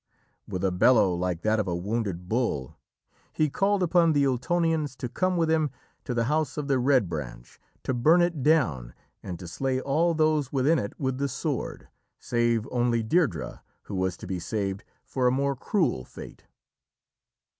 With a bellow like that of a wounded bull, he called upon the Ultonians to come with him to the House of the Red Branch, to burn it down, and to slay all those within it with the sword, save only Deirdrê, who was to be saved for a more cruel fate.